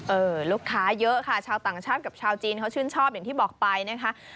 ลูกค้าเยอะค่ะชาวต่างชาติกับชาวจีนเขาชื่นชอบอย่างที่บอกไปนะคะ